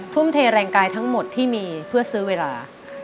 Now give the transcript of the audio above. ทุ่มเทแรงกายทั้งหมดที่มีเพื่อซื้อเวลา